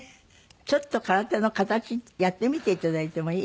ちょっと空手の形やってみていただいてもいい？